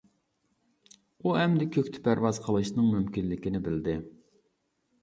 ئۇ ئەمدى كۆكتە پەرۋاز قىلىشنىڭ مۇمكىنلىكىنى بىلدى.